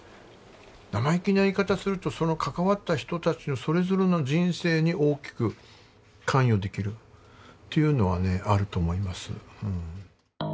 生意気な言い方するとその関わった人たちのそれぞれの人生に大きく関与できるっていうのはねあると思います。